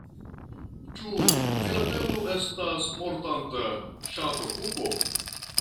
Ĉu filatelo estas mortanta ŝatokupo?